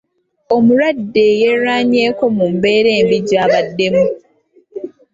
Omulwadde yerwanyeeko mu mbeera embi gy'abaddemu.